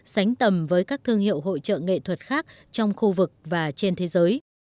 sánh tầm với các thương hiệu hội trợ nghệ thuật khác trong khu vực và trên thế giới